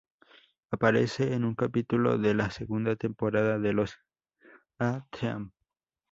Aparece en un capítulo de la segunda temporada de los A-Team.